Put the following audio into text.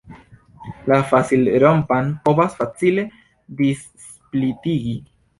La facilrompan povas facile dissplitigi.